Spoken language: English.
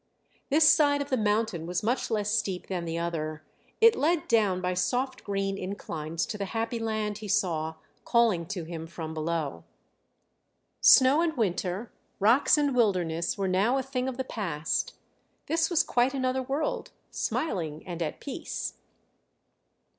This side of the mountain was much less steep than the other; it led down by soft green inclines to the happy land he saw calling to him from below. Snow and winter, rocks and wilderness were now a thing of the past; this was quite another world, smiling and at peace.